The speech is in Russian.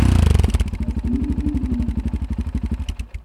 В последнего из-за угла!